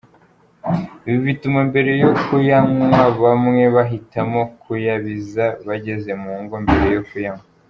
Ibi bituma mbere yo kuyanywa bamwe bahitamo kuyabiza bageze mu ngo mbere yo kuyanywa.